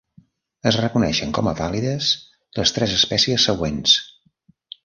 Es reconeixen com a vàlides les tres espècies següents.